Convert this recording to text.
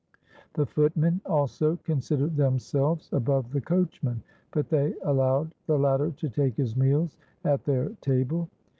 The footmen also considered themselves above the coachman; but they allowed the latter to take his meals at their table.